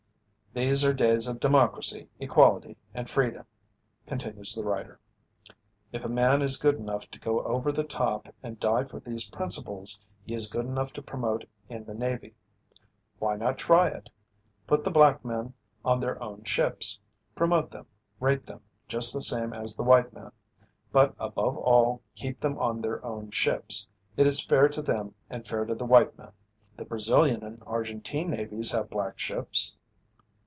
These are days of democracy, equality and freedom," continues the writer. "If a man is good enough to go over the top and die for these principles, he is good enough to promote in the Navy. Why not try it? Put the black men on their own ships. Promote them, rate them, just the same as the white man. But above all keep them on their own ships. It is fair to them and fair to the white men. The Brazilian and Argentine navies have 'black ships.'"